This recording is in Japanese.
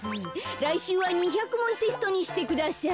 らいしゅうは２００もんテストにしてください。